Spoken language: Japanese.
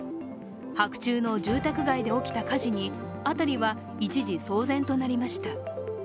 白昼の住宅街で起きた火事に辺りは一時騒然となりました。